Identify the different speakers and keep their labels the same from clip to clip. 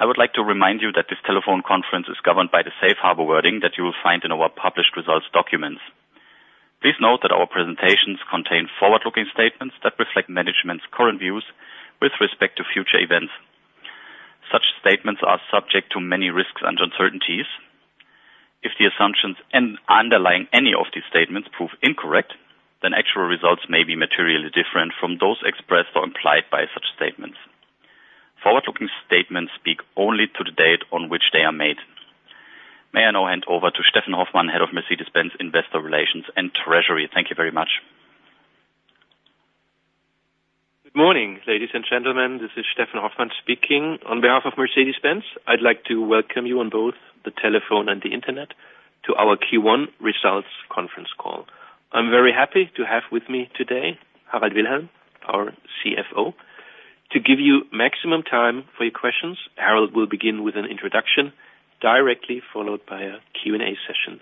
Speaker 1: I would like to remind you that this telephone conference is governed by the safe harbor wording that you will find in our published results documents. Please note that our presentations contain forward-looking statements that reflect management's current views with respect to future events. Such statements are subject to many risks and uncertainties. If the assumptions and underlying any of these statements prove incorrect, then actual results may be materially different from those expressed or implied by such statements. Forward-looking statements speak only to the date on which they are made. May I now hand over to Steffen Hoffmann, Head of Mercedes-Benz Investor Relations and Treasury? Thank you very much.
Speaker 2: Good morning, ladies and gentlemen. This is Steffen Hoffmann speaking. On behalf of Mercedes-Benz, I'd like to welcome you on both the telephone and the internet to our Q1 results conference call. I'm very happy to have with me today Harald Wilhelm, our CFO. To give you maximum time for your questions, Harald will begin with an introduction directly followed by a Q&A session.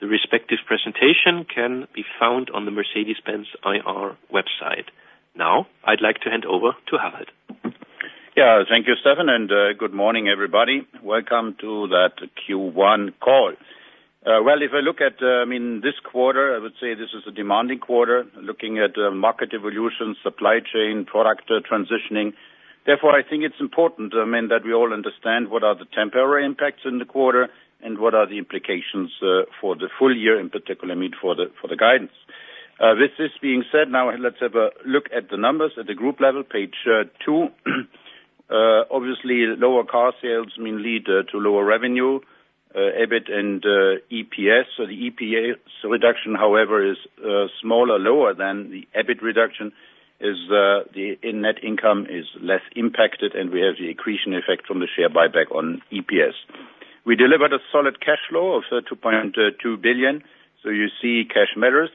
Speaker 2: The respective presentation can be found on the Mercedes-Benz IR website. Now, I'd like to hand over to Harald.
Speaker 3: Yeah. Thank you, Steffen. And good morning, everybody. Welcome to the Q1 call. Well, if I look at I mean, this quarter, I would say this is a demanding quarter looking at market evolution, supply chain, product transitioning. Therefore, I think it's important, I mean, that we all understand what are the temporary impacts in the quarter and what are the implications for the full year in particular, I mean, for the guidance. With this being said, now let's have a look at the numbers at the group level, page 2. Obviously, lower car sales mean lead to lower revenue. EBIT and EPS, so the EPS reduction, however, is smaller, lower than the EBIT reduction. The net income is less impacted, and we have the accretion effect from the share buyback on EPS. We delivered a solid cash flow of 2.2 billion. So you see cash matters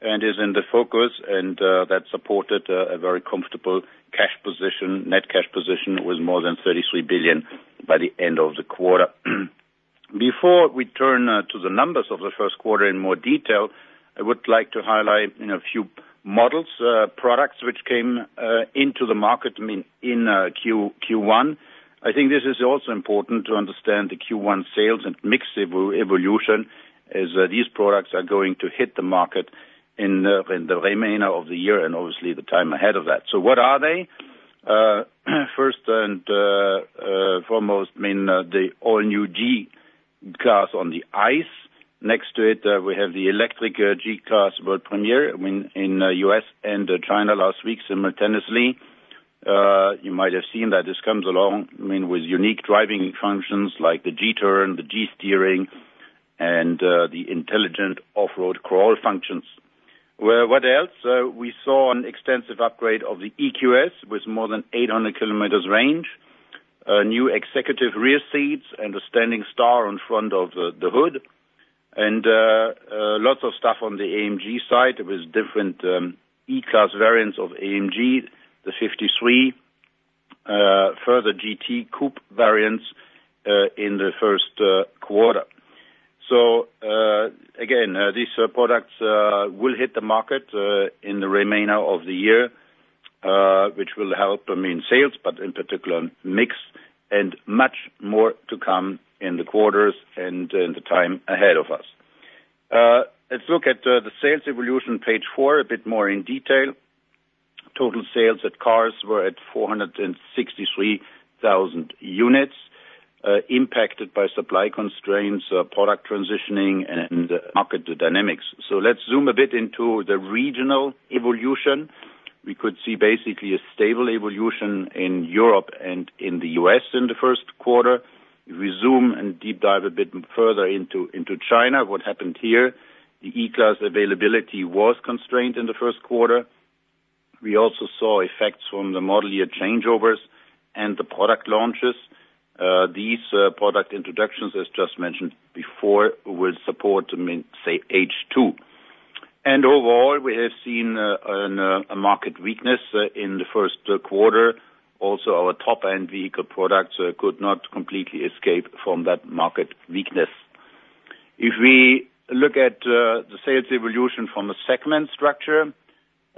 Speaker 3: and is in the focus, and that supported a very comfortable net cash position with more than 33 billion by the end of the quarter. Before we turn to the numbers of the first quarter in more detail, I would like to highlight a few models, products, which came into the market, I mean, in Q1. I think this is also important to understand the Q1 sales and mix evolution as these products are going to hit the market in the remainder of the year and obviously the time ahead of that. So what are they? First and foremost, I mean, the all-new G-Class on the ICE. Next to it, we have the Electric G-Class World Premiere, I mean, in the U.S. and China last week simultaneously. You might have seen that this comes along, I mean, with unique driving functions like the G-turn, the G-steering, and the intelligent off-road crawl functions. What else? We saw an extensive upgrade of the EQS with more than 800 km range, new executive rear seats, and a standing star on front of the hood. Lots of stuff on the AMG side with different E-Class variants of AMG, the 53, further GT Coupe variants in the first quarter. Again, these products will hit the market in the remainder of the year, which will help, I mean, sales, but in particular, mix, and much more to come in the quarters and in the time ahead of us. Let's look at the sales evolution, page four, a bit more in detail. Total sales at cars were at 463,000 units, impacted by supply constraints, product transitioning, and market dynamics. Let's zoom a bit into the regional evolution. We could see basically a stable evolution in Europe and in the U.S. in the first quarter. If we zoom and deep dive a bit further into China, what happened here, the E-Class availability was constrained in the first quarter. We also saw effects from the model year changeovers and the product launches. These product introductions, as just mentioned before, will support, I mean, say, H2. Overall, we have seen a market weakness in the first quarter. Also, our top-end vehicle products could not completely escape from that market weakness. If we look at the sales evolution from a segment structure,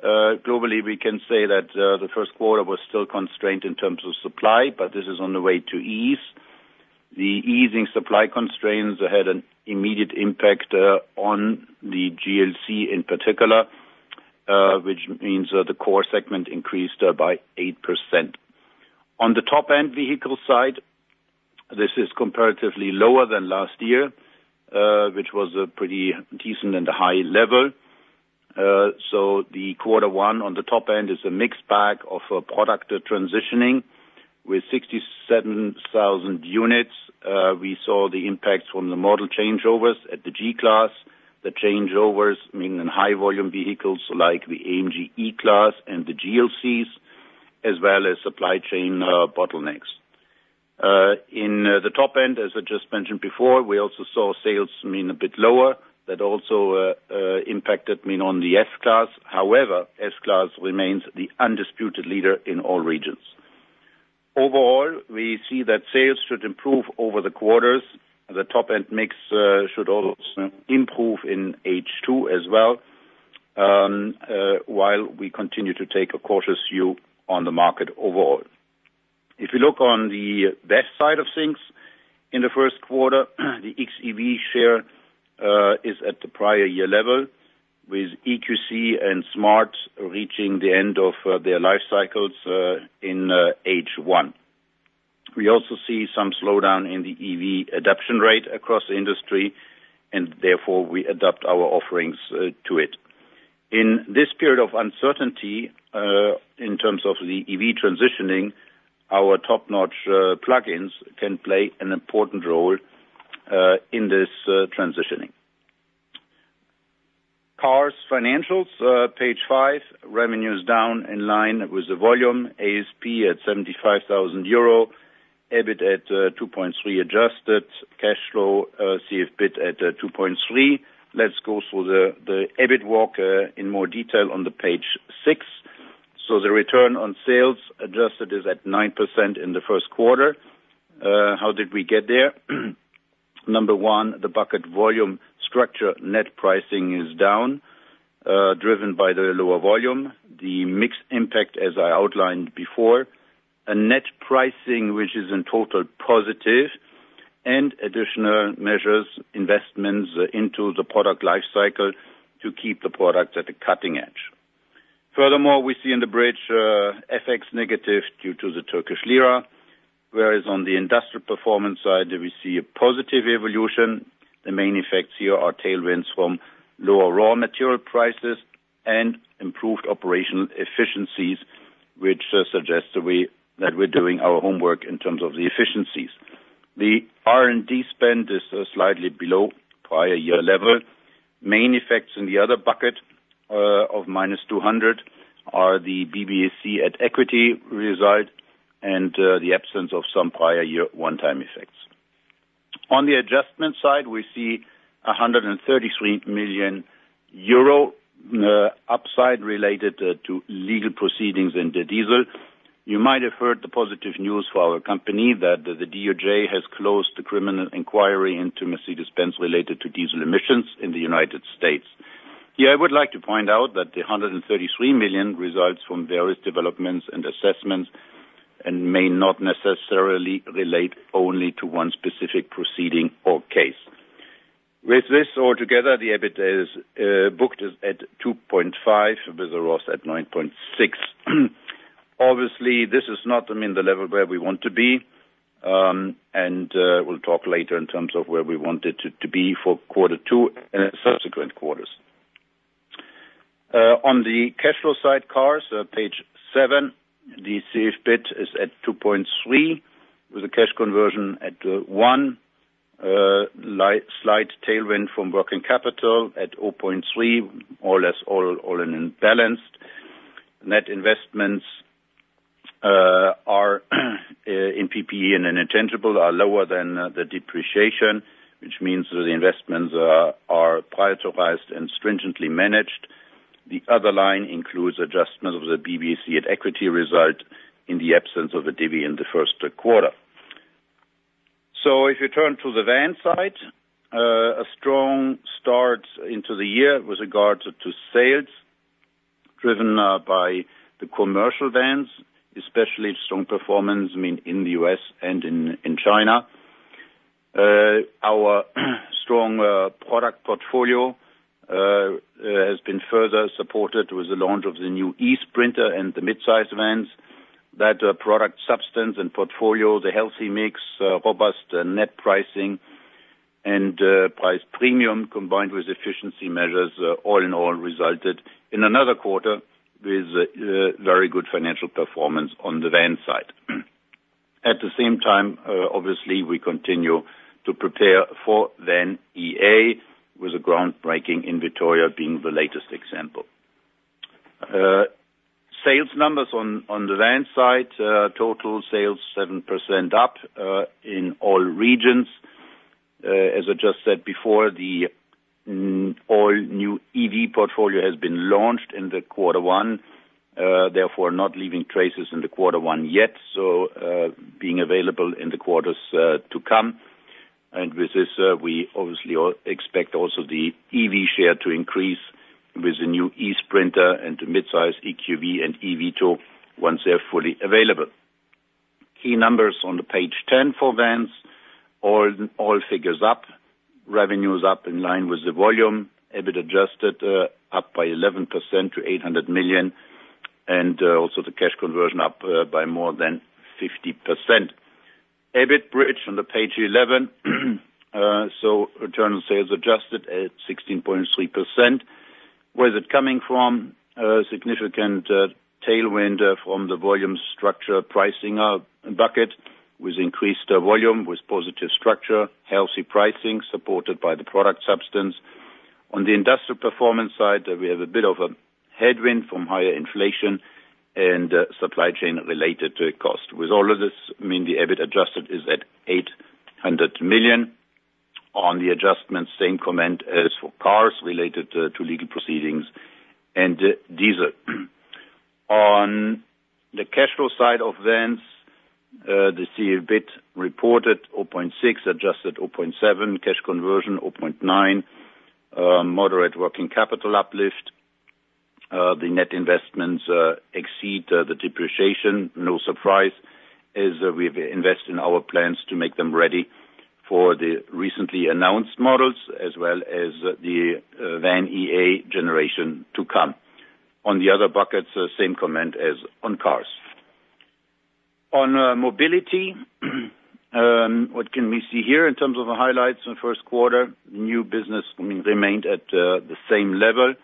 Speaker 3: globally, we can say that the first quarter was still constrained in terms of supply, but this is on the way to ease. The easing supply constraints had an immediate impact on the GLC in particular, which means the core segment increased by 8%. On the top-end vehicle side, this is comparatively lower than last year, which was a pretty decent and high level. So the quarter one on the top end is a mixed bag of product transitioning. With 67,000 units, we saw the impacts from the model changeovers at the G-Class, the changeovers, I mean, in high-volume vehicles like the AMG E-Class and the GLCs, as well as supply chain bottlenecks. In the top end, as I just mentioned before, we also saw sales, I mean, a bit lower. That also impacted, I mean, on the S-Class. However, S-Class remains the undisputed leader in all regions. Overall, we see that sales should improve over the quarters. The top-end mix should also improve in H2 as well while we continue to take a cautious view on the market overall. If we look on the best side of things in the first quarter, the xEV share is at the prior year level with EQC and Smart reaching the end of their life cycles in H1. We also see some slowdown in the EV adoption rate across the industry, and therefore, we adapt our offerings to it. In this period of uncertainty in terms of the EV transitioning, our top-notch plugins can play an important role in this transitioning. Cars financials, page 5, revenues down in line with the volume. ASP at 75,000 euro, EBIT at 2.3 billion adjusted, cash flow CFBIT at 2.3 billion. Let's go through the EBIT walk in more detail on the page 6. So the return on sales adjusted is at 9% in the first quarter. How did we get there? Number one, the bucket volume structure net pricing is down driven by the lower volume, the mixed impact as I outlined before, a net pricing which is in total positive, and additional measures, investments into the product life cycle to keep the products at the cutting edge. Furthermore, we see in the bridge FX negative due to the Turkish lira, whereas on the industrial performance side, we see a positive evolution. The main effects here are tailwinds from lower raw material prices and improved operational efficiencies, which suggests that we're doing our homework in terms of the efficiencies. The R&D spend is slightly below prior year level. Main effects in the other bucket of -200 are the BBAC at equity result and the absence of some prior year one-time effects. On the adjustment side, we see 133 million euro upside related to legal proceedings in the diesel. You might have heard the positive news for our company that the DOJ has closed the criminal inquiry into Mercedes-Benz related to diesel emissions in the United States. Here, I would like to point out that the 133 million results from various developments and assessments and may not necessarily relate only to one specific proceeding or case. With this all together, the EBIT is booked at 2.5 billion with a ROS at 9.6%. Obviously, this is not, I mean, the level where we want to be. We'll talk later in terms of where we want it to be for quarter two and subsequent quarters. On the cash flow side, cars, page seven, the CFBIT is at 2.3 billion with a cash conversion at 1, slight tailwind from working capital at 0.3 billion, all in balanced. Net investments in PPE and in intangibles are lower than the depreciation, which means that the investments are prioritized and stringently managed. The other line includes adjustments of the BBAC at-equity result in the absence of a dividend in the first quarter. So if you turn to the van side, a strong start into the year with regard to sales driven by the commercial vans, especially strong performance, I mean, in the U.S. and in China. Our strong product portfolio has been further supported with the launch of the new eSprinter and the midsize vans. That product substance and portfolio, the healthy mix, robust net pricing, and price premium combined with efficiency measures, all in all, resulted in another quarter with very good financial performance on the van side. At the same time, obviously, we continue to prepare for VAN.EA with a groundbreaking in Vitoria being the latest example. Sales numbers on the van side, total sales 7% up in all regions. As I just said before, the all-new EV portfolio has been launched in Q1, therefore, not leaving traces in Q1 yet, so being available in the quarters to come. And with this, we obviously expect also the EV share to increase with the new eSprinter and the midsize EQV and eVito once they're fully available. Key numbers on page 10 for vans, all figures up. Revenue is up in line with the volume. EBIT adjusted up by 11% to 800 million, and also the cash conversion up by more than 50%. EBIT bridge on page 11, so return on sales adjusted at 16.3%. Where is it coming from? Significant tailwind from the volume structure pricing bucket with increased volume with positive structure, healthy pricing supported by the product substance. On the industrial performance side, we have a bit of a headwind from higher inflation and supply chain-related costs. With all of this, I mean, the EBIT adjusted is at 800 million. On the adjustments, same comment as for cars related to legal proceedings and diesel. On the cash flow side of vans, the CFBIT reported 0.6 billion, adjusted 0.7 billion, cash conversion 0.9 billion, moderate working capital uplift. The net investments exceed the depreciation. No surprise as we've invested in our plants to make them ready for the recently announced models as well as the VAN.EA generation to come. On the other buckets, same comment as on cars. On mobility, what can we see here in terms of the highlights in the first quarter? New business, I mean, remained at the same level.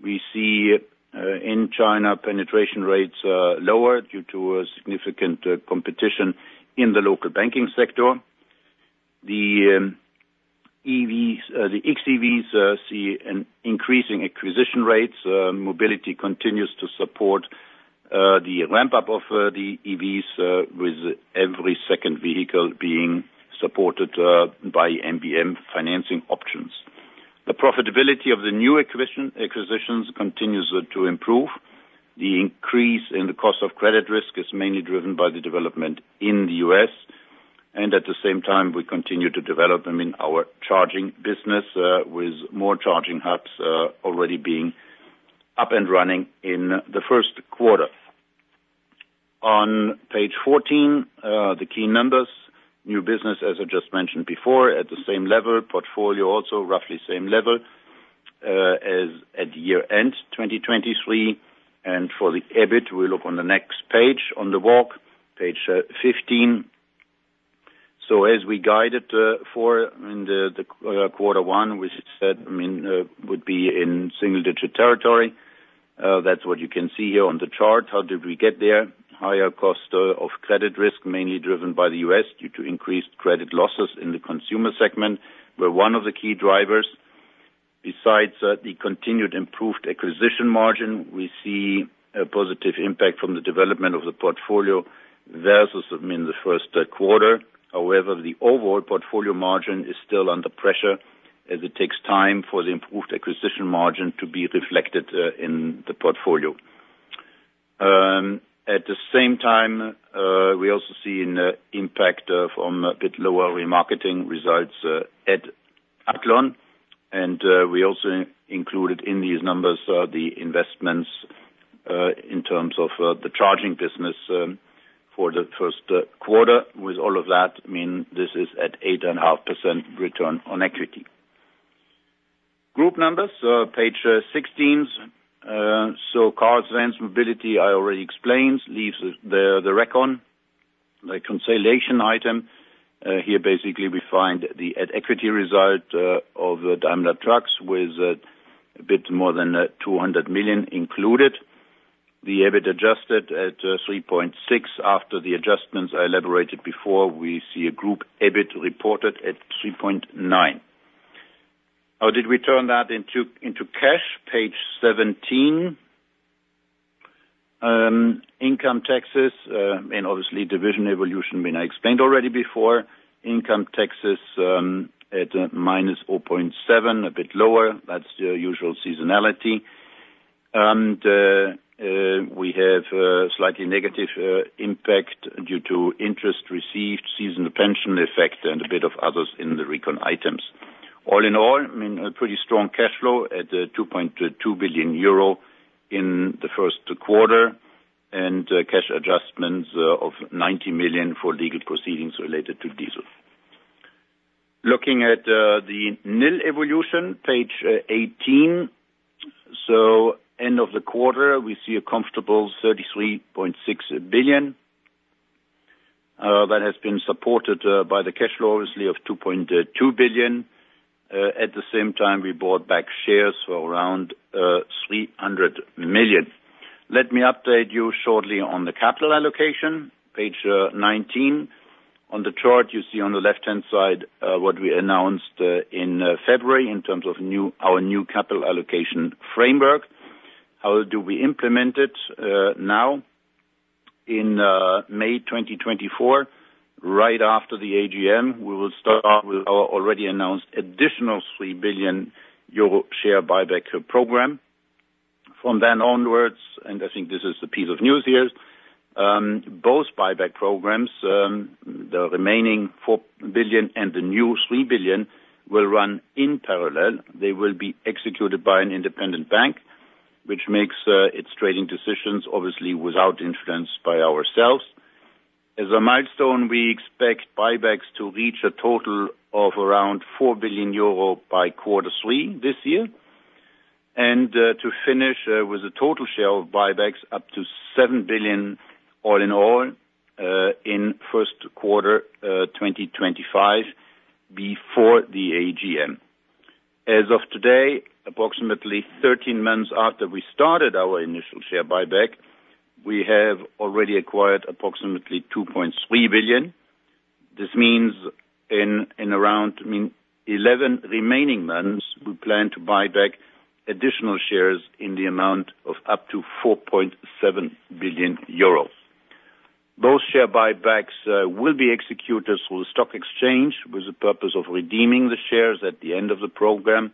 Speaker 3: We see in China penetration rates lower due to significant competition in the local banking sector. The xEVs see increasing acquisition rates. Mobility continues to support the ramp-up of the EVs with every second vehicle being supported by MBM financing options. The profitability of the new acquisitions continues to improve. The increase in the cost of credit risk is mainly driven by the development in the U.S. And at the same time, we continue to develop, I mean, our charging business with more charging hubs already being up and running in the first quarter. On page 14, the key numbers, new business, as I just mentioned before, at the same level, portfolio also roughly same level as at year-end 2023. And for the EBIT, we look on the next page on the walk, page 15. So as we guided for in the quarter one, we said, I mean, would be in single-digit territory. That's what you can see here on the chart. How did we get there? Higher cost of credit risk mainly driven by the U.S. due to increased credit losses in the consumer segment were one of the key drivers. Besides the continued improved acquisition margin, we see a positive impact from the development of the portfolio versus, I mean, the first quarter. However, the overall portfolio margin is still under pressure as it takes time for the improved acquisition margin to be reflected in the portfolio. At the same time, we also see an impact from a bit lower remarketing results at Athlon. And we also included in these numbers the investments in terms of the charging business for the first quarter. With all of that, I mean, this is at 8.5% return on equity. Group numbers, page 16. So cars, vans, mobility, I already explained, leaves the RECON, the consolidation item. Here, basically, we find the at-equity result of Daimler Trucks with a bit more than 200 million included. The EBIT adjusted at 3.6 billion. After the adjustments I elaborated before, we see a group EBIT reported at 3.9 billion. How did we turn that into cash? Page 17, income taxes. I mean, obviously, division evolution, I mean, I explained already before. Income taxes at -0.7 billion, a bit lower. That's the usual seasonality. And we have a slightly negative impact due to interest received, seasonal pension effect, and a bit of others in the RECON items. All in all, I mean, a pretty strong cash flow at 2.2 billion euro in the first quarter and cash adjustments of 90 million for legal proceedings related to diesel. Looking at the NIL evolution, page 18. So end of the quarter, we see a comfortable 33.6 billion. That has been supported by the cash flow, obviously, of 2.2 billion. At the same time, we bought back shares for around 300 million. Let me update you shortly on the capital allocation, page 19. On the chart, you see on the left-hand side what we announced in February in terms of our new capital allocation framework. How do we implement it now? In May 2024, right after the AGM, we will start with our already announced additional 3 billion euro share buyback program. From then onwards, and I think this is the piece of news here, both buyback programs, the remaining 4 billion and the new 3 billion, will run in parallel. They will be executed by an independent bank, which makes its trading decisions, obviously, without influence by ourselves. As a milestone, we expect buybacks to reach a total of around 4 billion euro by quarter three this year and to finish with a total share of buybacks up to 7 billion all in all in first quarter 2025 before the AGM. As of today, approximately 13 months after we started our initial share buyback, we have already acquired approximately 2.3 billion. This means in around, I mean, 11 remaining months, we plan to buy back additional shares in the amount of up to 4.7 billion euros. Both share buybacks will be executed through the stock exchange with the purpose of redeeming the shares at the end of the program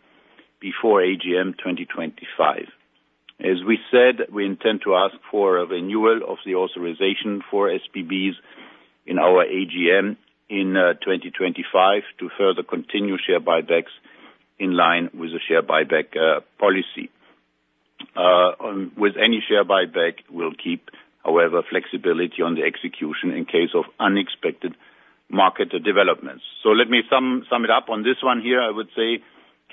Speaker 3: before AGM 2025. As we said, we intend to ask for renewal of the authorization for SBBs in our AGM in 2025 to further continue share buybacks in line with the share buyback policy. With any share buyback, we'll keep, however, flexibility on the execution in case of unexpected market developments. So let me sum it up. On this one here, I would say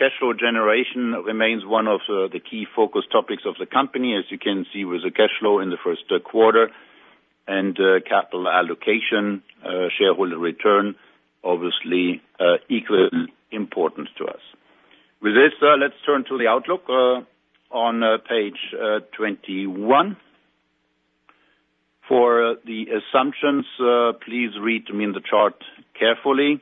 Speaker 3: cash flow generation remains one of the key focus topics of the company, as you can see, with the cash flow in the first quarter and capital allocation, shareholder return, obviously, equally important to us. With this, let's turn to the outlook on page 21. For the assumptions, please read, I mean, the chart carefully,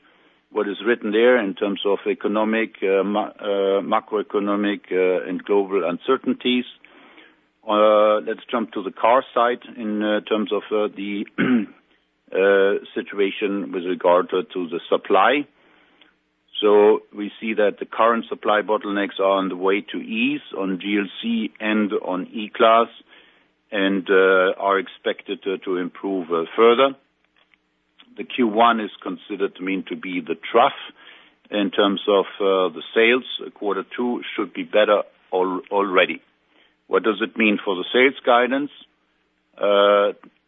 Speaker 3: what is written there in terms of economic, macroeconomic, and global uncertainties. Let's jump to the car side in terms of the situation with regard to the supply. So we see that the current supply bottlenecks are on the way to ease on GLC and on E-Class and are expected to improve further. The Q1 is considered, I mean, to be the trough in terms of the sales. Quarter two should be better already. What does it mean for the sales guidance?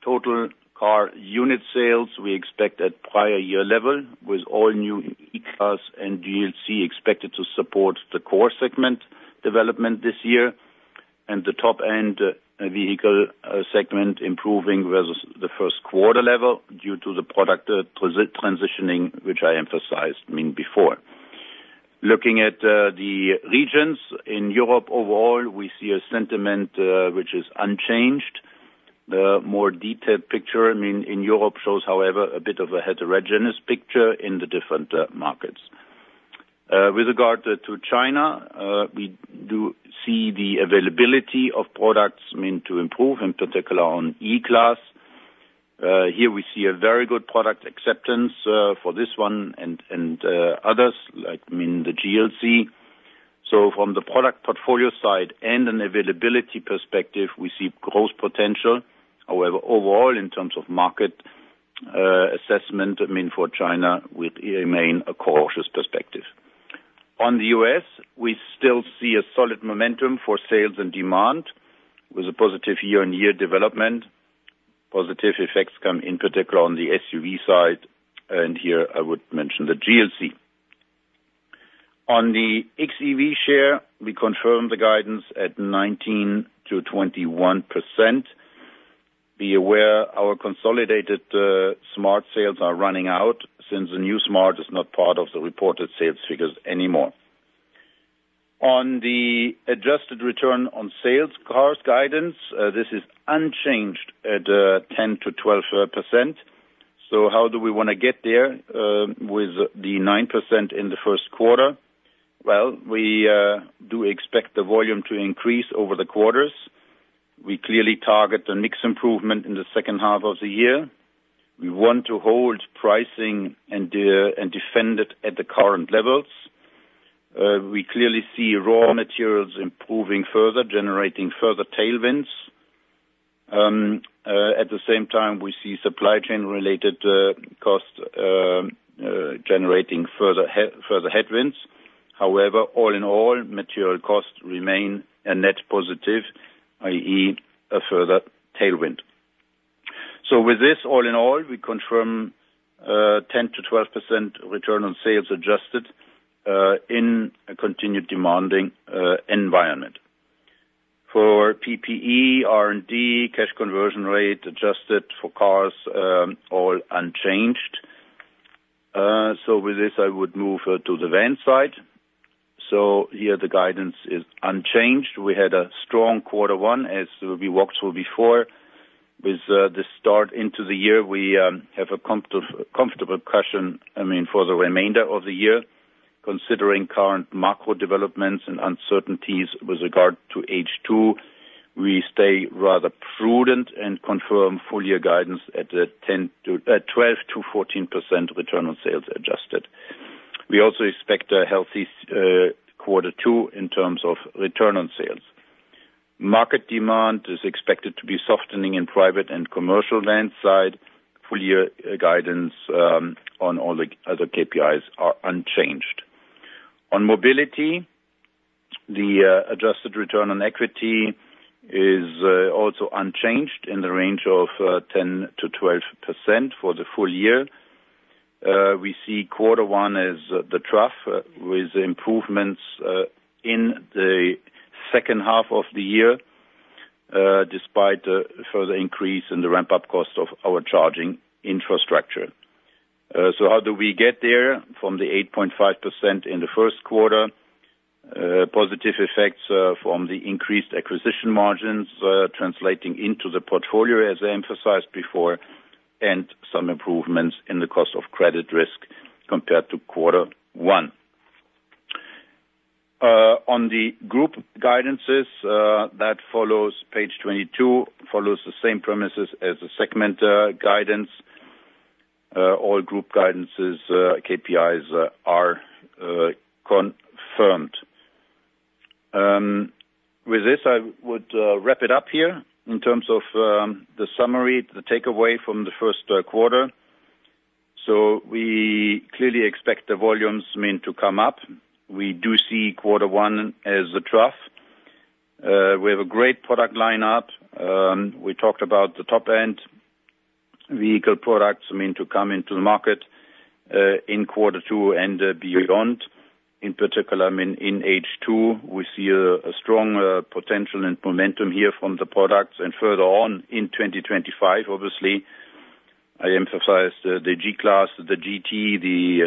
Speaker 3: Total car unit sales we expect at prior year level with all-new E-Class and GLC expected to support the core segment development this year and the top-end vehicle segment improving versus the first quarter level due to the product transitioning, which I emphasized, I mean, before. Looking at the regions, in Europe overall, we see a sentiment which is unchanged. The more detailed picture, I mean, in Europe shows, however, a bit of a heterogeneous picture in the different markets. With regard to China, we do see the availability of products, I mean, to improve, in particular on E-Class. Here, we see a very good product acceptance for this one and others, like, I mean, the GLC. So from the product portfolio side and an availability perspective, we see growth potential. However, overall, in terms of market assessment, I mean, for China, we remain a cautious perspective. On the U.S., we still see a solid momentum for sales and demand with a positive year-on-year development. Positive effects come, in particular, on the SUV side. And here, I would mention the GLC. On the xEV share, we confirm the guidance at 19%-21%. Be aware, our consolidated Smart sales are running out since the new Smart is not part of the reported sales figures anymore. On the adjusted return on sales cars guidance, this is unchanged at 10%-12%. So how do we want to get there with the 9% in the first quarter? Well, we do expect the volume to increase over the quarters. We clearly target the mix improvement in the second half of the year. We want to hold pricing and defend it at the current levels. We clearly see raw materials improving further, generating further tailwinds. At the same time, we see supply chain-related costs generating further headwinds. However, all in all, material costs remain a net positive, i.e., a further tailwind. So with this, all in all, we confirm 10%-12% return on sales adjusted in a continued demanding environment. For PPE, R&D, cash conversion rate adjusted for cars, all unchanged. So with this, I would move to the van side. So here, the guidance is unchanged. We had a strong quarter one as we walked through before. With the start into the year, we have a comfortable cushion, I mean, for the remainder of the year. Considering current macro developments and uncertainties with regard to H2, we stay rather prudent and confirm full-year guidance at 12%-14% return on sales adjusted. We also expect a healthy quarter two in terms of return on sales. Market demand is expected to be softening in private and commercial van side. Full-year guidance on all the other KPIs are unchanged. On mobility, the adjusted return on equity is also unchanged in the range of 10%-12% for the full year. We see quarter one as the trough with improvements in the second half of the year despite the further increase in the ramp-up cost of our charging infrastructure. So how do we get there from the 8.5% in the first quarter? Positive effects from the increased acquisition margins translating into the portfolio, as I emphasized before, and some improvements in the cost of credit risk compared to quarter one. On the group guidances that follows, page 22 follows the same premises as the segment guidance. All group guidances KPIs are confirmed. With this, I would wrap it up here in terms of the summary, the takeaway from the first quarter. So we clearly expect the volumes, I mean, to come up. We do see quarter one as the trough. We have a great product lineup. We talked about the top-end vehicle products, I mean, to come into the market in quarter two and beyond. In particular, I mean, in H2, we see a strong potential and momentum here from the products and further on in 2025, obviously. I emphasized the G-Class, the GT,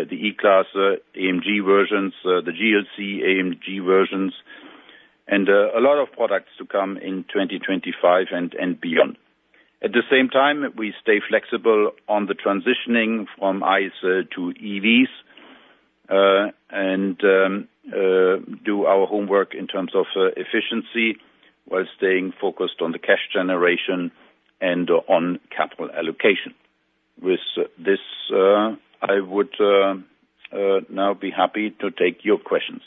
Speaker 3: the E-Class, AMG versions, the GLC, AMG versions, and a lot of products to come in 2025 and beyond. At the same time, we stay flexible on the transitioning from ICE to EVs and do our homework in terms of efficiency while staying focused on the cash generation and on capital allocation. With this, I would now be happy to take your questions.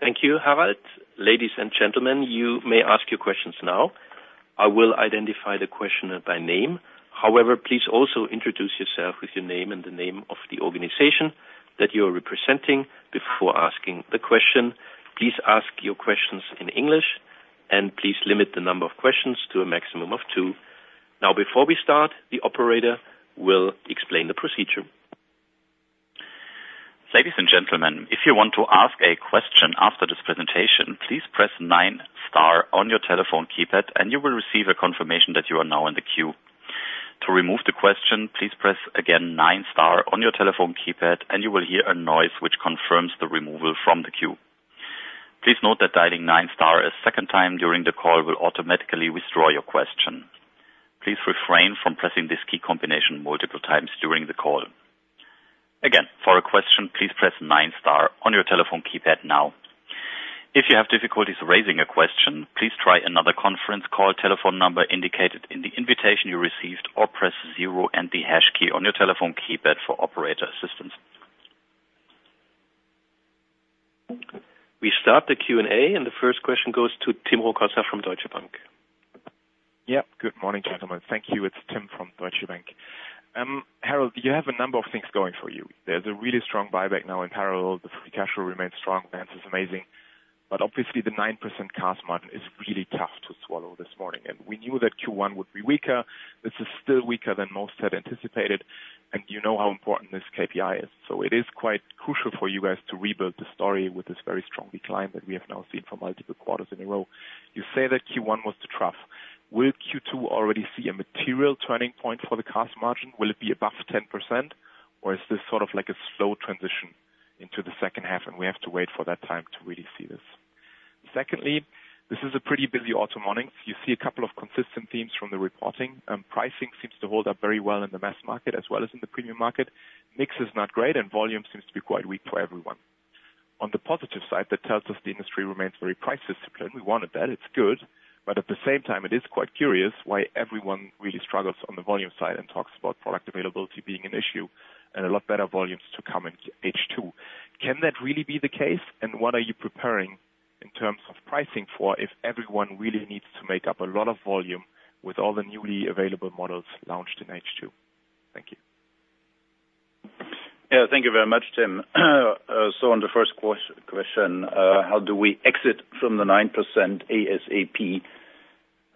Speaker 2: Thank you, Harald. Ladies and gentlemen, you may ask your questions now. I will identify the questioner by name. However, please also introduce yourself with your name and the name of the organization that you are representing before asking the question. Please ask your questions in English, and please limit the number of questions to a maximum of two. Now, before we start, the operator will explain the procedure.
Speaker 1: Ladies and gentlemen, if you want to ask a question after this presentation, please press nine star on your telephone keypad, and you will receive a confirmation that you are now in the queue. To remove the question, please press again nine star on your telephone keypad, and you will hear a noise which confirms the removal from the queue. Please note that dialing nine star a second time during the call will automatically withdraw your question. Please refrain from pressing this key combination multiple times during the call. Again, for a question, please press nine star on your telephone keypad now. If you have difficulties raising a question, please try another conference call telephone number indicated in the invitation you received or press zero and the hash key on your telephone keypad for operator assistance.
Speaker 2: We start the Q&A, and the first question goes to Tim Rokossa from Deutsche Bank.
Speaker 4: Yep. Good morning, gentlemen. Thank you. It's Tim from Deutsche Bank. Harald, you have a number of things going for you. There's a really strong buyback now in parallel. The free cash flow remains strong. Vans is amazing. But obviously, the 9% cars margin is really tough to swallow this morning. We knew that Q1 would be weaker. This is still weaker than most had anticipated. You know how important this KPI is. So it is quite crucial for you guys to rebuild the story with this very strong decline that we have now seen for multiple quarters in a row. You say that Q1 was the trough. Will Q2 already see a material turning point for the cars margin? Will it be above 10%, or is this sort of like a slow transition into the second half? And we have to wait for that time to really see this. Secondly, this is a pretty busy auto morning. You see a couple of consistent themes from the reporting. Pricing seems to hold up very well in the mass market as well as in the premium market. Mix is not great, and volume seems to be quite weak for everyone. On the positive side, that tells us the industry remains very price disciplined. We wanted that. It's good. But at the same time, it is quite curious why everyone really struggles on the volume side and talks about product availability being an issue and a lot better volumes to come in H2. Can that really be the case? And what are you preparing in terms of pricing for if everyone really needs to make up a lot of volume with all the newly available models launched in H2? Thank you.
Speaker 3: Yeah. Thank you very much, Tim. So on the first question, how do we exit from the 9% ASAP?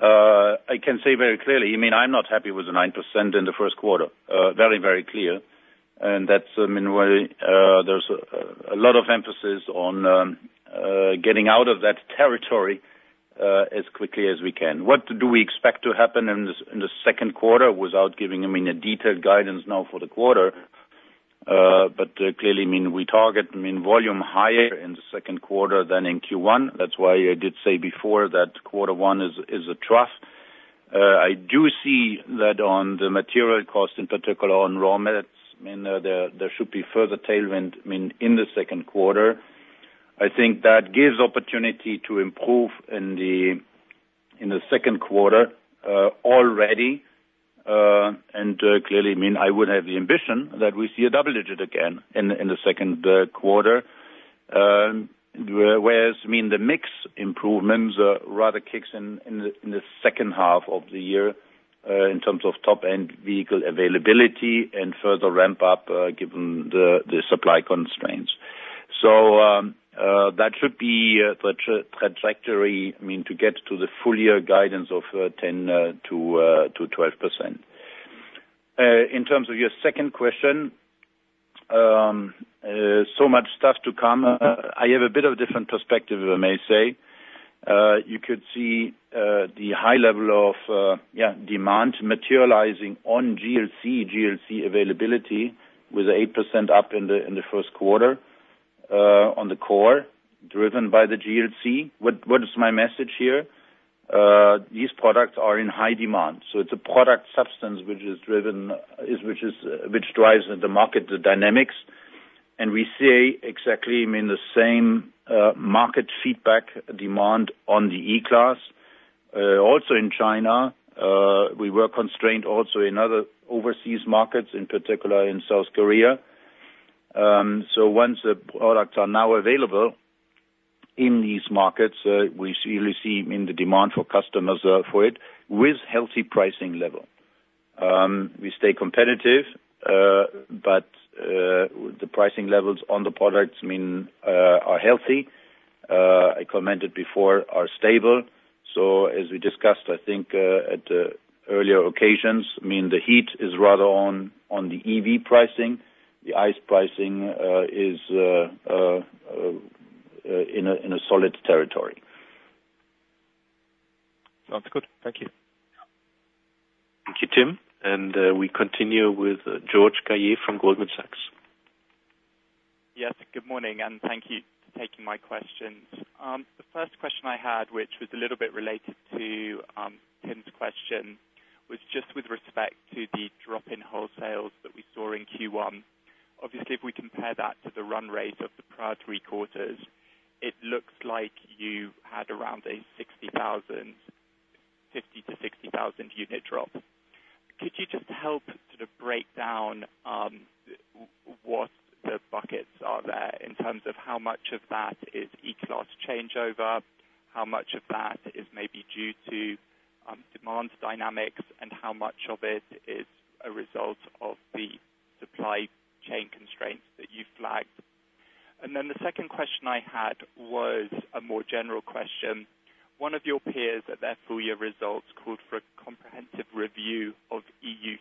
Speaker 3: I can say very clearly, I mean, I'm not happy with the 9% in the first quarter. Very, very clear. And that's, I mean, where there's a lot of emphasis on getting out of that territory as quickly as we can. What do we expect to happen in the second quarter without giving, I mean, a detailed guidance now for the quarter? But clearly, I mean, we target, I mean, volume higher in the second quarter than in Q1. That's why I did say before that quarter one is a trough. I do see that on the material cost, in particular on raw materials, I mean, there should be further tailwind, I mean, in the second quarter. I think that gives opportunity to improve in the second quarter already. And clearly, I mean, I would have the ambition that we see a double-digit again in the second quarter. Whereas, I mean, the mixed improvements rather kicks in the second half of the year in terms of top-end vehicle availability and further ramp-up given the supply constraints. So that should be the trajectory, I mean, to get to the full-year guidance of 10%-12%. In terms of your second question, so much stuff to come. I have a bit of a different perspective, if I may say. You could see the high level of, yeah, demand materializing on GLC, GLC availability with 8% up in the first quarter on the core driven by the GLC. What is my message here? These products are in high demand. So it's a product substance which is driven which drives the market dynamics. And we see exactly, I mean, the same market feedback demand on the E-Class. Also in China, we were constrained also in other overseas markets, in particular in South Korea. So once the products are now available in these markets, we really see, I mean, the demand for customers for it with healthy pricing level. We stay competitive, but the pricing levels on the products, I mean, are healthy. I commented before, are stable. So as we discussed, I think, at earlier occasions, I mean, the heat is rather on the EV pricing. The ICE pricing is in a solid territory.
Speaker 4: Sounds good. Thank you.
Speaker 2: Thank you, Tim. We continue with George Galliers from Goldman Sachs.
Speaker 5: Yes. Good morning. Thank you for taking my questions. The first question I had, which was a little bit related to Tim's question, was just with respect to the drop in wholesales that we saw in Q1. Obviously, if we compare that to the run rate of the prior three quarters, it looks like you had around a 60,000, 50,000-60,000 unit drop. Could you just help sort of break down what the buckets are there in terms of how much of that is E-Class changeover, how much of that is maybe due to demand dynamics, and how much of it is a result of the supply chain constraints that you flagged? And then the second question I had was a more general question. One of your peers at their full-year results called for a comprehensive review of EU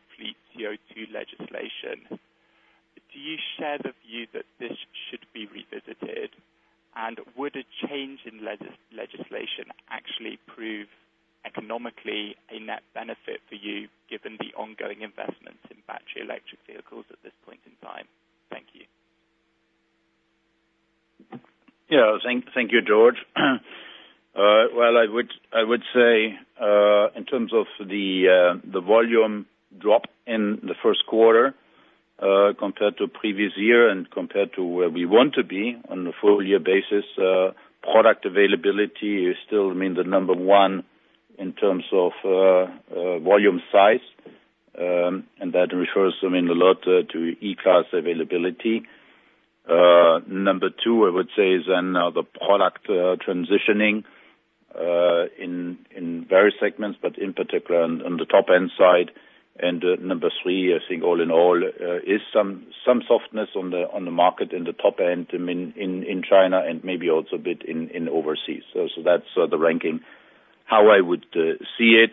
Speaker 5: fleet CO2 legislation. Do you share the view that this should be revisited? And would a change in legislation actually prove economically a net benefit for you given the ongoing investments in battery electric vehicles at this point in time? Thank you.
Speaker 3: Yeah. Thank you, George. Well, I would say in terms of the volume drop in the first quarter compared to previous year and compared to where we want to be on the full-year basis, product availability is still, I mean, the number one in terms of volume size. And that refers, I mean, a lot to E-Class availability. Number two, I would say, is then the product transitioning in various segments, but in particular on the top-end side. And number three, I think all in all, is some softness on the market in the top-end, I mean, in China and maybe also a bit in overseas. So that's the ranking, how I would see it.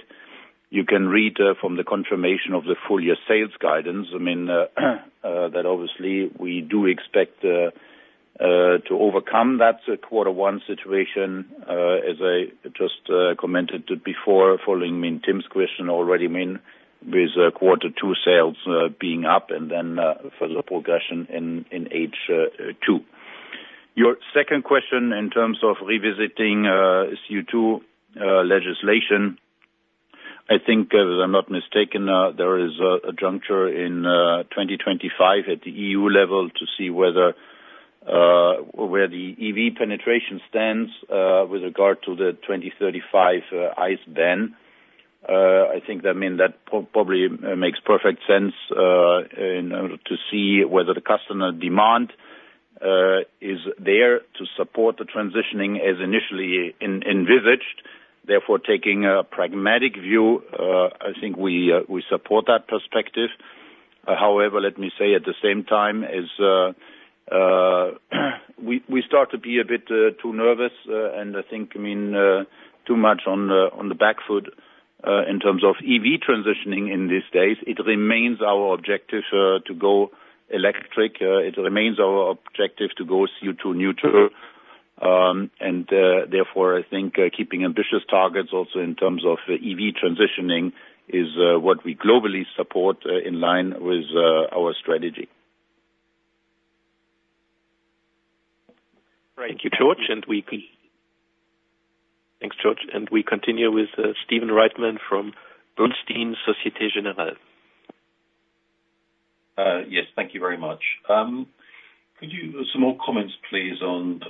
Speaker 3: You can read from the confirmation of the full-year sales guidance, I mean, that obviously, we do expect to overcome that quarter one situation, as I just commented before, following, I mean, Tim's question already, I mean, with quarter two sales being up and then further progression in H2. Your second question in terms of revisiting CO2 legislation, I think, if I'm not mistaken, there is a juncture in 2025 at the EU level to see where the EV penetration stands with regard to the 2035 ICE ban. I think that, I mean, that probably makes perfect sense in order to see whether the customer demand is there to support the transitioning as initially envisaged. Therefore, taking a pragmatic view, I think we support that perspective. However, let me say, at the same time, as we start to be a bit too nervous and I think, I mean, too much on the back foot in terms of EV transitioning in these days, it remains our objective to go electric. It remains our objective to go CO2 neutral. And therefore, I think keeping ambitious targets also in terms of EV transitioning is what we globally support in line with our strategy.
Speaker 2: Thank you, George. And we continue with Stephen Reitman from Bernstein Société Générale.
Speaker 6: Yes. Thank you very much. Some more comments, please, on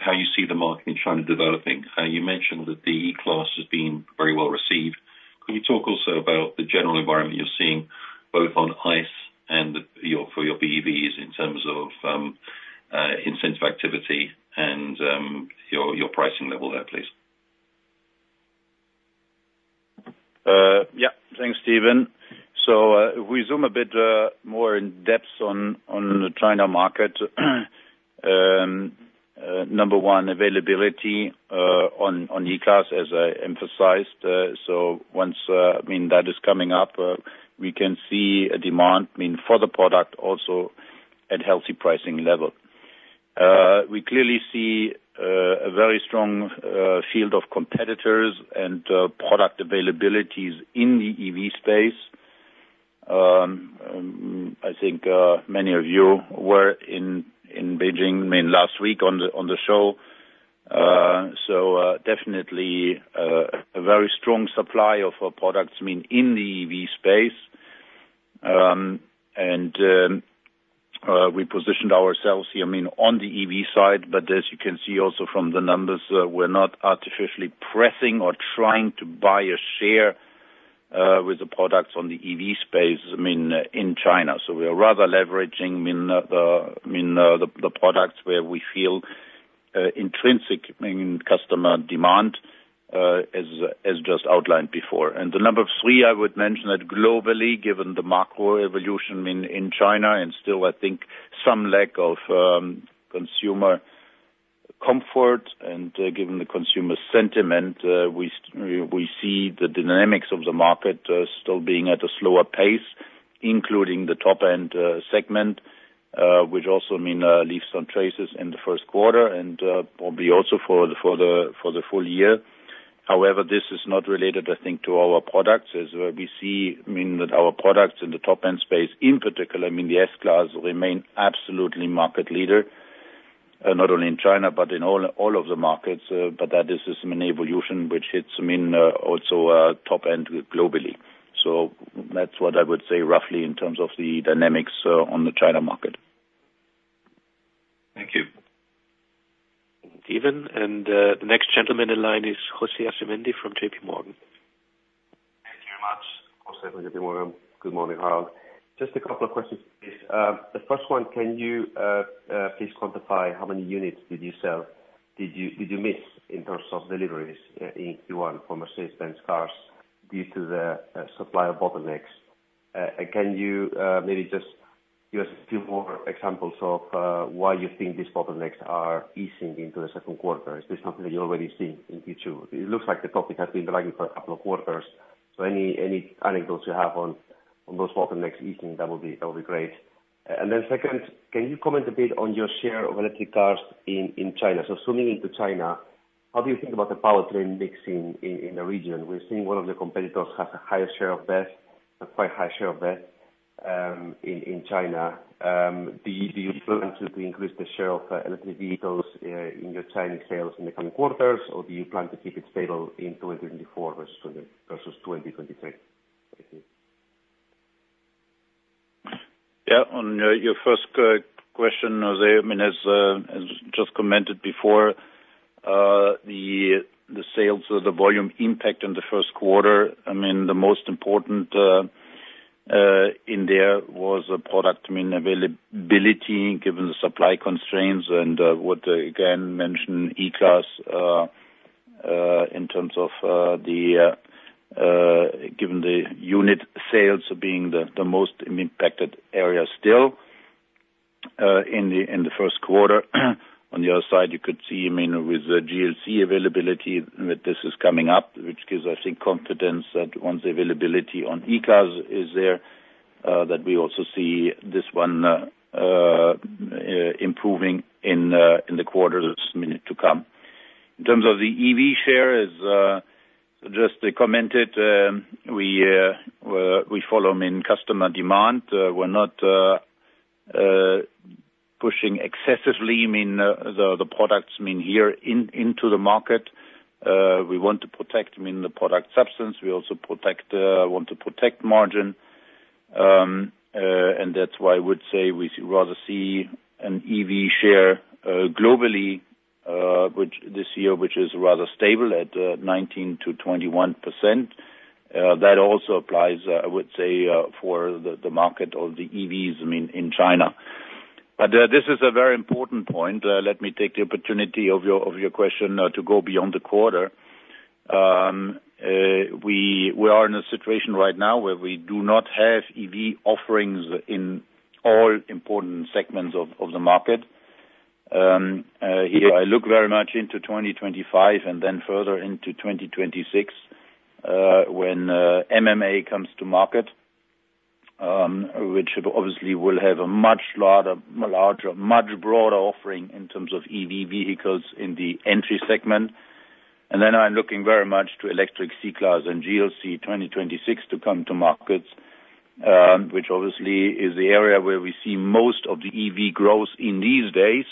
Speaker 6: how you see the market in China developing. You mentioned that the E-Class has been very well received. Could you talk also about the general environment you're seeing both on ICE and for your BEVs in terms of incentive activity and your pricing level there, please?
Speaker 3: Yep. Thanks, Stephen. So if we zoom a bit more in-depth on the China market, number one, availability on E-Class, as I emphasized. So once, I mean, that is coming up, we can see a demand, I mean, for the product also at healthy pricing level. We clearly see a very strong field of competitors and product availabilities in the EV space. I think many of you were in Beijing, I mean, last week on the show. So definitely a very strong supply of products, I mean, in the EV space. And we positioned ourselves here, I mean, on the EV side. But as you can see also from the numbers, we're not artificially pressing or trying to buy a share with the products on the EV space, I mean, in China. So we are rather leveraging, I mean, the products where we feel intrinsic, I mean, customer demand as just outlined before. The number three, I would mention that globally, given the macro evolution, I mean, in China and still, I think, some lack of consumer comfort and given the consumer sentiment, we see the dynamics of the market still being at a slower pace, including the top-end segment, which also, I mean, leaves some traces in the first quarter and probably also for the full year. However, this is not related, I think, to our products as we see, I mean, that our products in the top-end space in particular, I mean, the S-Class remain absolutely market leader, not only in China but in all of the markets. But that is an evolution which hits, I mean, also top-end globally. So that's what I would say roughly in terms of the dynamics on the China market.
Speaker 2: Thank you, Stephen. And the next gentleman in line is José Asumendi from JPMorgan.
Speaker 7: Thank you very much. José from JPMorgan. Good morning, Harald. Just a couple of questions, please. The first one, can you please quantify how many units did you miss in terms of deliveries in Q1 for Mercedes-Benz cars due to the supply of bottlenecks? And can you maybe just give us a few more examples of why you think these bottlenecks are easing into the second quarter? Is this something that you already see in Q2? It looks like the topic has been dragging for a couple of quarters. So any anecdotes you have on those bottlenecks easing, that will be great. And then second, can you comment a bit on your share of electric cars in China? So zooming into China, how do you think about the powertrain mixing in the region? We're seeing one of your competitors has a higher share of BEVs, a quite high share of BEVs in China. Do you plan to increase the share of electric vehicles in your Chinese sales in the coming quarters, or do you plan to keep it stable in 2024 versus 2023? Thank you.
Speaker 3: Yeah. On your first question, José, I mean, as I just commented before, the sales or the volume impact in the first quarter, I mean, the most important in there was the product, I mean, availability given the supply constraints and what, again, mentioned E-Class in terms of the given the unit sales being the most impacted area still in the first quarter. On the other side, you could see, I mean, with the GLC availability that this is coming up, which gives, I think, confidence that once the availability on E-Class is there, that we also see this one improving in the quarters to come. In terms of the EV share, as I just commented, we follow, I mean, customer demand. We're not pushing excessively, I mean, the products, I mean, here into the market. We want to protect, I mean, the product substance. We also want to protect margin. And that's why I would say we rather see an EV share globally this year which is rather stable at 19%-21%. That also applies, I would say, for the market of the EVs, I mean, in China. But this is a very important point. Let me take the opportunity of your question to go beyond the quarter. We are in a situation right now where we do not have EV offerings in all important segments of the market. Here, I look very much into 2025 and then further into 2026 when MMA comes to market, which obviously will have a much larger, much broader offering in terms of EV vehicles in the entry segment. And then I'm looking very much to electric C-Class and GLC 2026 to come to markets, which obviously is the area where we see most of the EV growth in these days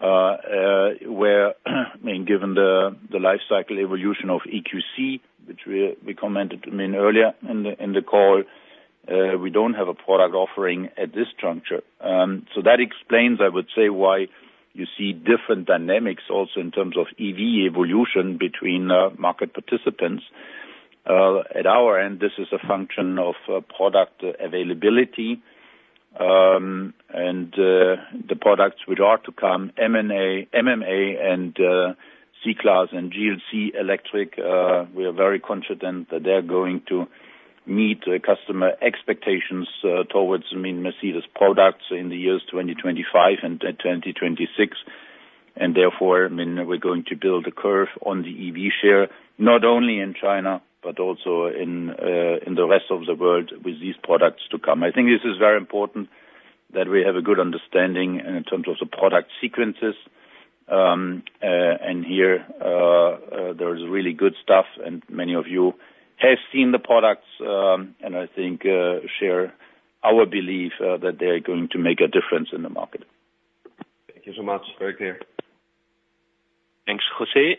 Speaker 3: where, I mean, given the lifecycle evolution of EQC, which we commented, I mean, earlier in the call, we don't have a product offering at this juncture. So that explains, I would say, why you see different dynamics also in terms of EV evolution between market participants. At our end, this is a function of product availability. And the products which are to come, MMA and C-Class and GLC electric, we are very confident that they're going to meet customer expectations towards, I mean, Mercedes products in the years 2025 and 2026. And therefore, I mean, we're going to build a curve on the EV share not only in China but also in the rest of the world with these products to come. I think this is very important that we have a good understanding in terms of the product sequences. And here, there is really good stuff, and many of you have seen the products and I think share our belief that they're going to make a difference in the market.
Speaker 7: Thank you so much. Very clear.
Speaker 2: Thanks, José.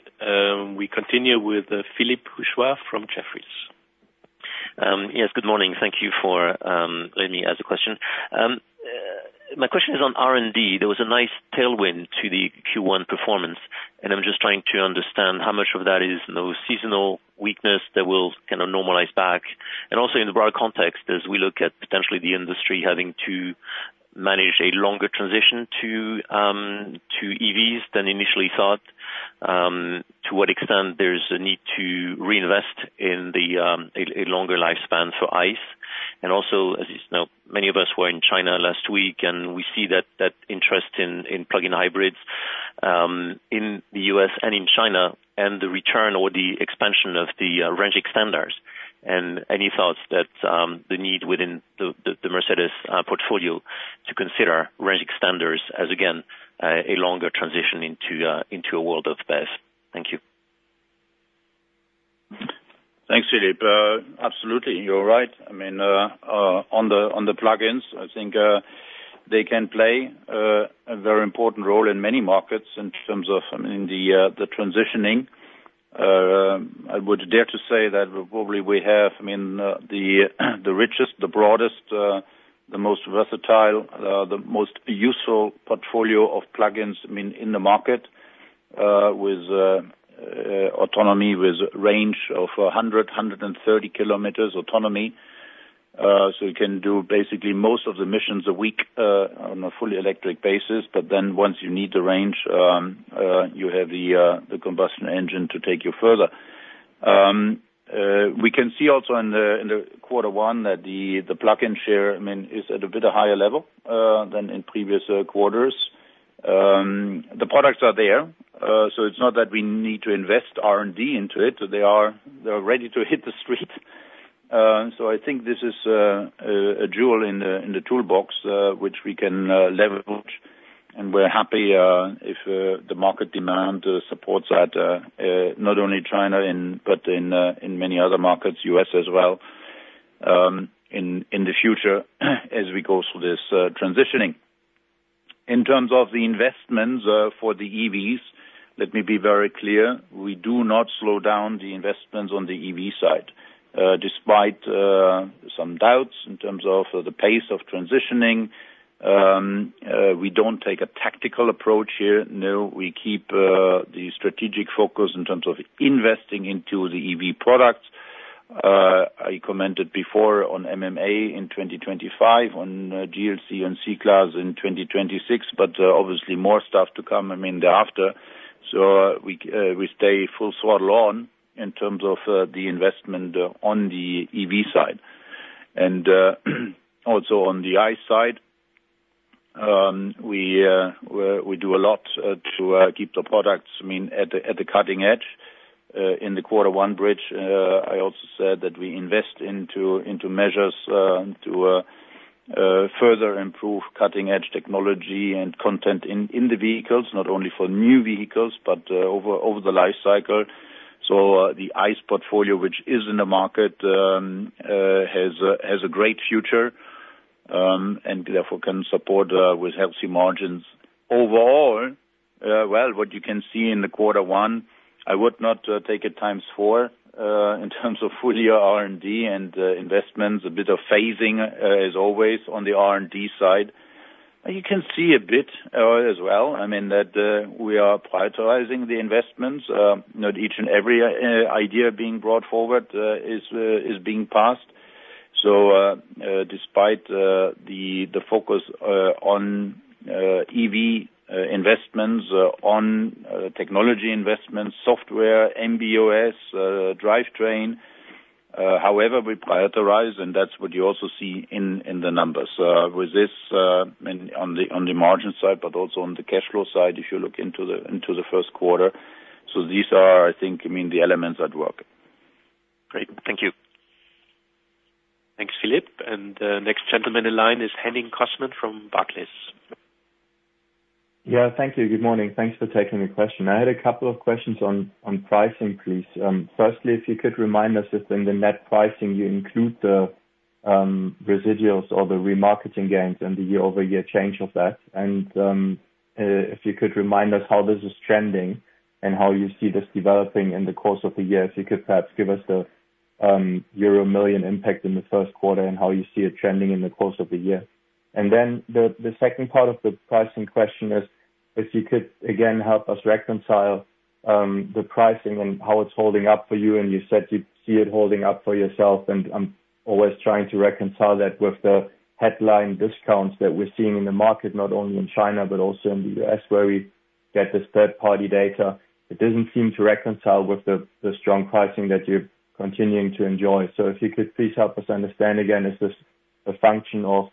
Speaker 2: We continue with Philippe Houchois from Jefferies.
Speaker 8: Yes. Good morning. Thank you for letting me ask the question. My question is on R&D. There was a nice tailwind to the Q1 performance, and I'm just trying to understand how much of that is seasonal weakness that will kind of normalize back. And also in the broader context, as we look at potentially the industry having to manage a longer transition to EVs than initially thought, to what extent there's a need to reinvest in a longer lifespan for ICE. And also, as many of us were in China last week, and we see that interest in plug-in hybrids in the U.S. and in China and the return or the expansion of the range extenders. And any thoughts that the need within the Mercedes portfolio to consider range extenders as, again, a longer transition into a world of BEVs? Thank you.
Speaker 3: Thanks, Philippe. Absolutely. You're right. I mean, on the plug-ins, I think they can play a very important role in many markets in terms of, I mean, the transitioning. I would dare to say that probably we have, I mean, the richest, the broadest, the most versatile, the most useful portfolio of plug-ins, I mean, in the market with autonomy, with range of 100-130 km autonomy. So you can do basically most of the missions a week on a fully electric basis. But then once you need the range, you have the combustion engine to take you further. We can see also in the quarter one that the plug-in share, I mean, is at a bit of higher level than in previous quarters. The products are there. So it's not that we need to invest R&D into it. They are ready to hit the street. So I think this is a jewel in the toolbox which we can leverage. We're happy if the market demand supports that, not only China but in many other markets, U.S. as well, in the future as we go through this transitioning. In terms of the investments for the EVs, let me be very clear. We do not slow down the investments on the EV side. Despite some doubts in terms of the pace of transitioning, we don't take a tactical approach here. No. We keep the strategic focus in terms of investing into the EV products. I commented before on MMA in 2025, on GLC and C-Class in 2026, but obviously, more stuff to come, I mean, thereafter. So we stay full throttle on in terms of the investment on the EV side. Also on the ICE side, we do a lot to keep the products, I mean, at the cutting edge. In the quarter one bridge, I also said that we invest into measures to further improve cutting-edge technology and content in the vehicles, not only for new vehicles but over the lifecycle. So the ICE portfolio, which is in the market, has a great future and therefore can support with healthy margins. Overall, well, what you can see in the quarter one, I would not take it times four in terms of fully R&D and investments. A bit of phasing, as always, on the R&D side. You can see a bit as well, I mean, that we are prioritizing the investments. Not each and every idea being brought forward is being passed. So despite the focus on EV investments, on technology investments, software, MB.OS, drivetrain, however, we prioritize, and that's what you also see in the numbers with this, I mean, on the margin side but also on the cash flow side if you look into the first quarter. So these are, I think, I mean, the elements at work.
Speaker 8: Great. Thank you.
Speaker 2: Thanks, Philippe. And the next gentleman in line is Henning Cosman from Barclays.
Speaker 9: Yeah. Thank you. Good morning. Thanks for taking the question. I had a couple of questions on pricing, please. Firstly, if you could remind us if in the net pricing, you include the residuals or the remarketing gains and the year-over-year change of that. And if you could remind us how this is trending and how you see this developing in the course of the year. If you could perhaps give us the euro million impact in the first quarter and how you see it trending in the course of the year. Then the second part of the pricing question is if you could, again, help us reconcile the pricing and how it's holding up for you. And you said you see it holding up for yourself. And I'm always trying to reconcile that with the headline discounts that we're seeing in the market, not only in China but also in the U.S. where we get this third-party data. It doesn't seem to reconcile with the strong pricing that you're continuing to enjoy. So if you could please help us understand, again, is this a function of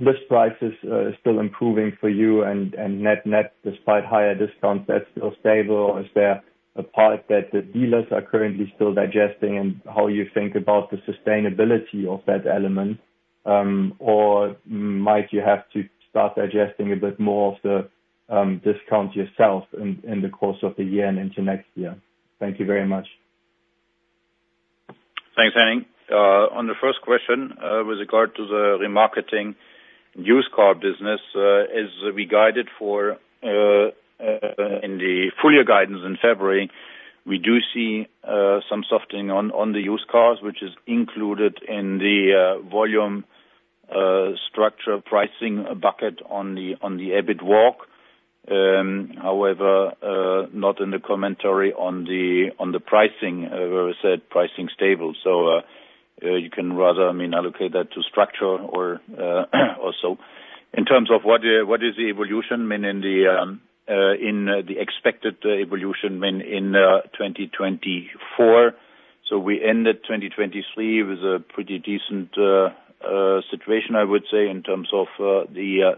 Speaker 9: list prices still improving for you and net, despite higher discounts, that's still stable, or is there a part that the dealers are currently still digesting and how you think about the sustainability of that element, or might you have to start digesting a bit more of the discount yourself in the course of the year and into next year? Thank you very much.
Speaker 3: Thanks, Henning. On the first question with regard to the remarketing used car business, as we guided for in the full-year guidance in February, we do see some softening on the used cars which is included in the volume, structure, pricing bucket on the EBIT walk. However, not in the commentary on the pricing. We said pricing stable. So you can rather, I mean, allocate that to structure or so. In terms of what is the evolution, I mean, in the expected evolution, I mean, in 2024. So we ended 2023 with a pretty decent situation, I would say, in terms of the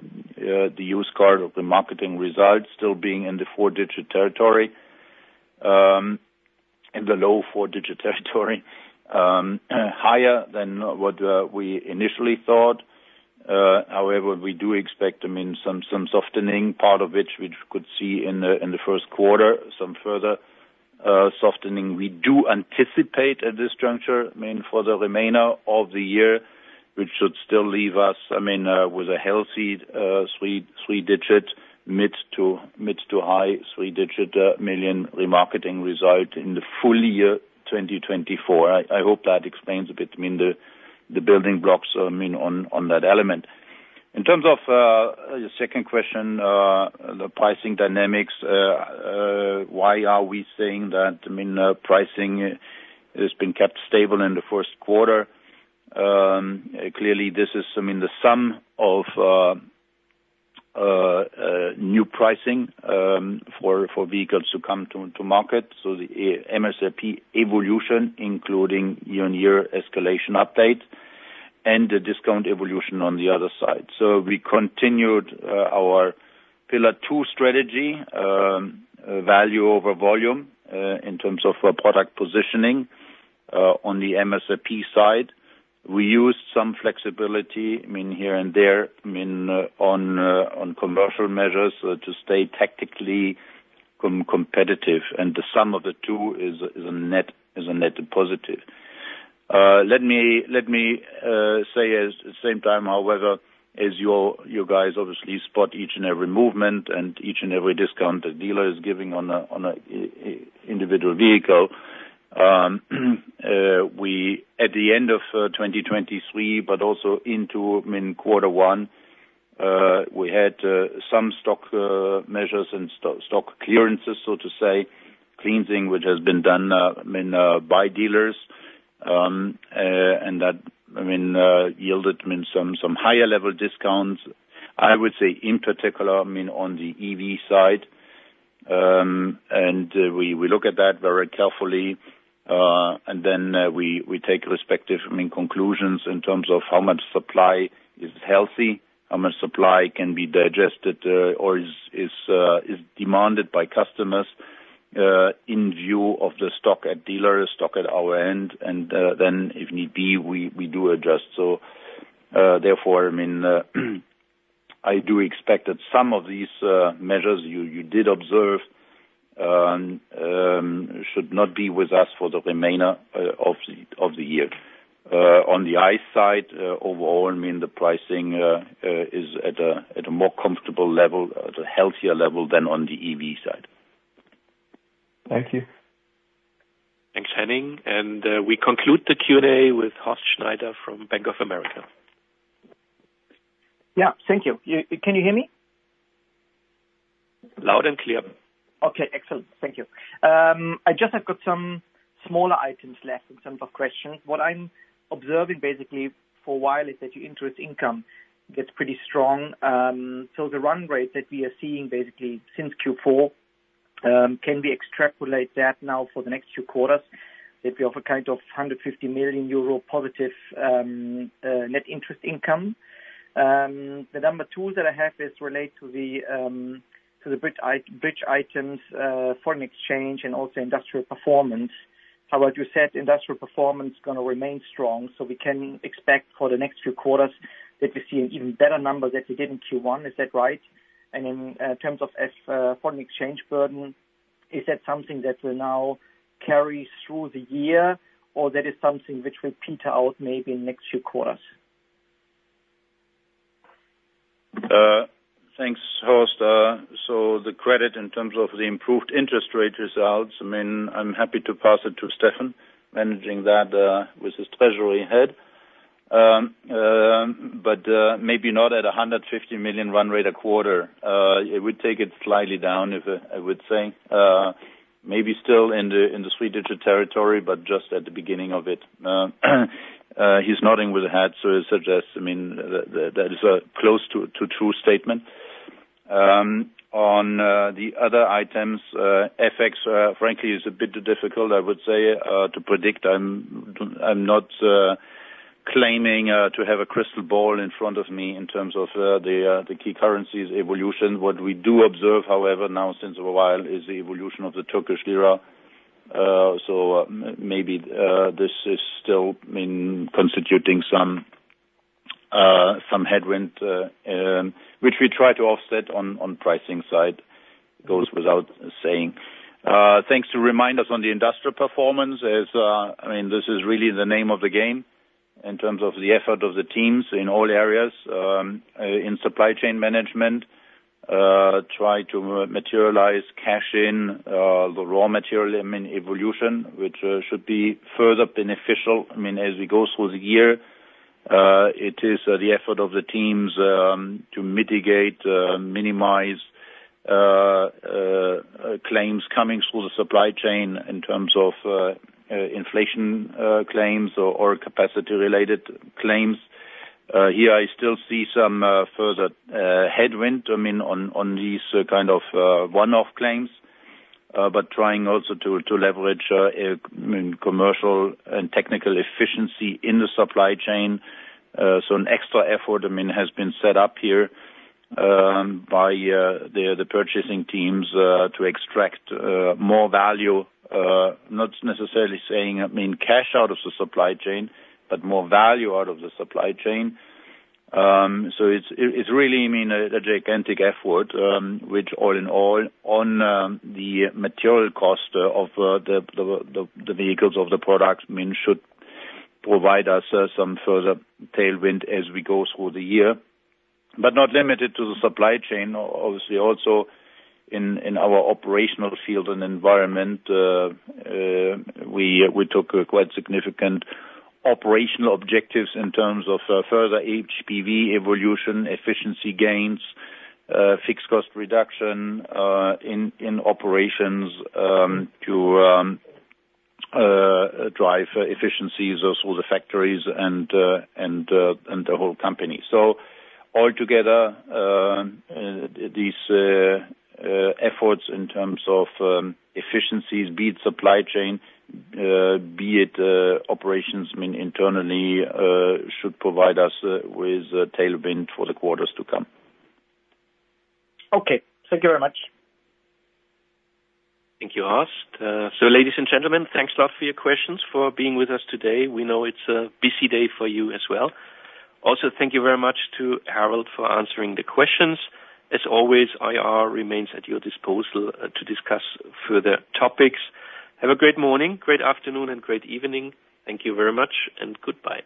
Speaker 3: used car remarketing results still being in the four-digit territory, in the low four-digit territory, higher than what we initially thought. However, we do expect, I mean, some softening, part of which we could see in the first quarter, some further softening. We do anticipate at this juncture, I mean, for the remainder of the year, which should still leave us, I mean, with a healthy three-digit, mid- to h`igh-three-digit million remarketing result in the full year 2024. I hope that explains a bit, I mean, the building blocks, I mean, on that element. In terms of the second question, the pricing dynamics, why are we saying that, I mean, pricing has been kept stable in the first quarter? Clearly, this is, I mean, the sum of new pricing for vehicles to come to market. So the MSRP evolution, including year-on-year escalation update, and the discount evolution on the other side. So we continued our pillar two strategy, value over volume, in terms of product positioning on the MSRP side. We used some flexibility, I mean, here and there, I mean, on commercial measures to stay tactically competitive. And the sum of the two is a net positive. Let me say at the same time, however, as you guys obviously spot each and every movement and each and every discount the dealer is giving on an individual vehicle, at the end of 2023 but also into, I mean, quarter one, we had some stock measures and stock clearances, so to say, cleansing which has been done, I mean, by dealers, and that, I mean, yielded, I mean, some higher-level discounts, I would say, in particular, I mean, on the EV side. And we look at that very carefully. And then we take respective, I mean, conclusions in terms of how much supply is healthy, how much supply can be digested or is demanded by customers in view of the stock at dealers, stock at our end. And then if need be, we do adjust. So therefore, I mean, I do expect that some of these measures you did observe should not be with us for the remainder of the year. On the ICE side, overall, I mean, the pricing is at a more comfortable level, at a healthier level than on the EV side.
Speaker 9: Thank you.
Speaker 2: Thanks, Henning. And we conclude the Q&A with Horst Schneider from Bank of America.
Speaker 10: Yeah. Thank you. Can you hear me?
Speaker 2: Loud and clear.
Speaker 10: Okay. Excellent. Thank you. I just have got some smaller items left in terms of questions. What I'm observing basically for a while is that your interest income gets pretty strong. So the run rate that we are seeing basically since Q4, can we extrapolate that now for the next few quarters that we offer kind of 150 million euro+ net interest income? The number two that I have relates to the bridge items, foreign exchange, and also industrial performance. However, you said industrial performance is going to remain strong. So we can expect for the next few quarters that we see an even better number than we did in Q1. Is that right? And in terms of foreign exchange burden, is that something that will now carry through the year, or that is something which will peter out maybe in next few quarters?
Speaker 3: Thanks, Horst. So the credit in terms of the improved interest rate results, I mean, I'm happy to pass it to Steffen, managing that with his treasury head. But maybe not at a 150 million run rate a quarter. It would take it slightly down, I would say. Maybe still in the three-digit territory but just at the beginning of it. He's nodding with the head, so I suggest, I mean, that is a close-to-true statement. On the other items, FX, frankly, is a bit difficult, I would say, to predict. I'm not claiming to have a crystal ball in front of me in terms of the key currencies evolution. What we do observe, however, now since a while is the evolution of the Turkish lira. So maybe this is still, I mean, constituting some headwind which we try to offset on pricing side. Goes without saying. Thanks to remind us on the industrial performance. I mean, this is really the name of the game in terms of the effort of the teams in all areas. In supply chain management, try to materialize cash in, the raw material, I mean, evolution which should be further beneficial. I mean, as we go through the year, it is the effort of the teams to mitigate, minimize claims coming through the supply chain in terms of inflation claims or capacity-related claims. Here, I still see some further headwind, I mean, on these kind of one-off claims but trying also to leverage, I mean, commercial and technical efficiency in the supply chain. So an extra effort, I mean, has been set up here by the purchasing teams to extract more value, not necessarily saying, I mean, cash out of the supply chain but more value out of the supply chain. So it's really, I mean, a gigantic effort which, all in all, on the material cost of the vehicles, of the products, I mean, should provide us some further tailwind as we go through the year but not limited to the supply chain. Obviously, also in our operational field and environment, we took quite significant operational objectives in terms of further HPV evolution, efficiency gains, fixed cost reduction in operations to drive efficiencies through the factories and the whole company. So altogether, these efforts in terms of efficiencies, be it supply chain, be it operations, I mean, internally, should provide us with tailwind for the quarters to come.
Speaker 10: Okay. Thank you very much.
Speaker 2: Thank you, Horst. So, ladies and gentlemen, thanks a lot for your questions, for being with us today. We know it's a busy day for you as well. Also, thank you very much to Harald for answering the questions. As always, IR remains at your disposal to discuss further topics. Have a great morning, great afternoon, and great evening. Thank you very much, and goodbye.